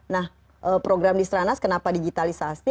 nah program di stranas kenapa digitalisasi